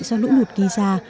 do lũ lụt gây ra